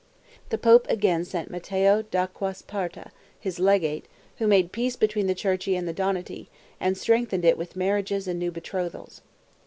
The pope again sent Matteo d'Acquasparta, his legate, who made peace between the Cerchi and the Donati, and strengthened it with marriages and new betrothals.